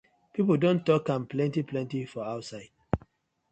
Pipu don tok am plenty plenty for outside.